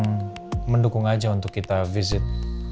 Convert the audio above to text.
mungkin dukung aja untuk kita visit